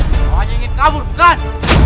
kau hanya ingin kabur bukan